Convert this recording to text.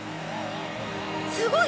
すごい！